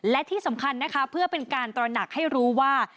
และที่สำคัญนะคะเพื่อเป็นการตระหนักให้รู้ว่า